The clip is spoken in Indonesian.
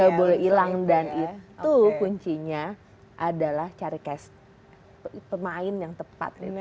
gak boleh hilang dan itu kuncinya adalah cari cash pemain yang tepat